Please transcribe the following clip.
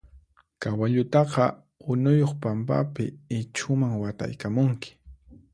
Kawallutaqa unuyuq pampapi ichhuman wataykamunki.